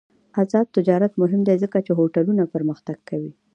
آزاد تجارت مهم دی ځکه چې هوټلونه پرمختګ کوي.